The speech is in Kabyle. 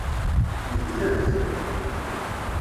Tbeddlem-t?